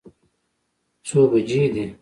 څه بجې دي؟